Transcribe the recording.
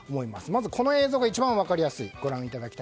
まず、この映像が一番分かりやすい。